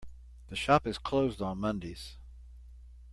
The shop is closed on Mondays.